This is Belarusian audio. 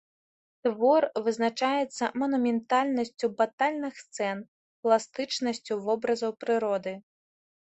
Твор вызначаецца манументальнасцю батальных сцэн, пластычнасцю вобразаў прыроды.